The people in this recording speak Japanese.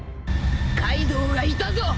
カイドウがいたぞ！